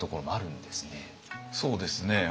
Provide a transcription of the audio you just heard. そうですね。